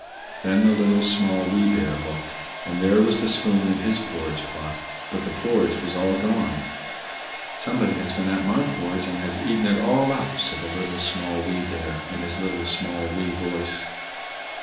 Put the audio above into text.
Then the Little, Small, Wee Bear looked, and there was the spoon in his porridge pot; but the porridge was all gone. "=Somebody has been at my porridge and has eaten it all up!=" said the Little, Small, Wee Bear, in his little, small, wee voice.